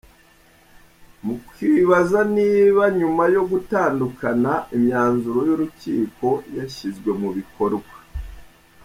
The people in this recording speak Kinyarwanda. Mukwibaza niba nyuma yo gutandukana imyanzuro y’urukiko yashyizwe mu bikorwa.